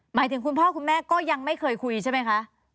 หมายถึงคุณพ่อคุณแม่ก็ยังไม่เคยคุยใช่ไหมคะ